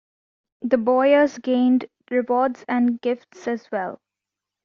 The boyars gained rewards and gifts as well.